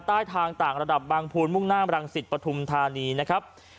ทางต่างระดับบางภูมิมุ่งหน้าบรังศิษย์ปฐมธานีนะครับ